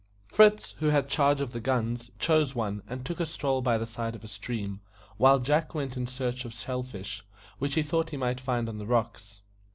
Fritz, who had charge of the guns, chose one, and took a stroll by the side of a stream, while Jack went in search of shell fish, which he thought he might find on the rocks.